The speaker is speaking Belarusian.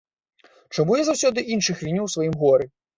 Чаму я заўсёды іншых віню ў сваім горы?